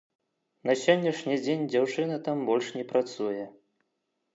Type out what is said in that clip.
На сённяшні дзень дзяўчына там больш не працуе.